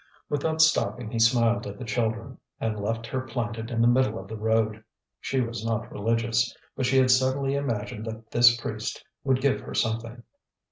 Without stopping he smiled at the children, and left her planted in the middle of the road. She was not religious, but she had suddenly imagined that this priest would give her something.